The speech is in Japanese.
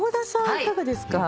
いかがですか？